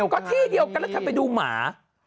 ก็ที่เดียวกันแล้วเธอไปดูหมา